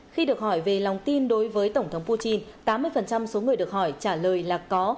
khi được hỏi về lòng tin đối với tổng thống putin tám mươi số người được hỏi trả lời là có